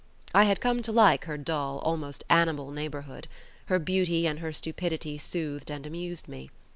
I had come to like her dull, almost animal neighbourhood; her beauty and her stupidity soothed and amused me.